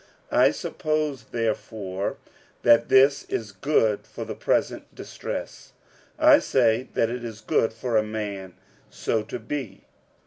46:007:026 I suppose therefore that this is good for the present distress, I say, that it is good for a man so to be.